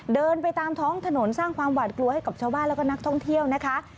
เดินไปตามท้องถนนสร้างความหวาดกลัวให้กับชาวบ้านแล้วก็นักท่องเที่ยวนะคะ